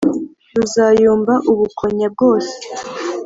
Ruzayumba Ubukonya bwose